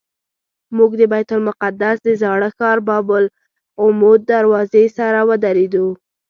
موږ د بیت المقدس د زاړه ښار باب العمود دروازې سره ودرېدو.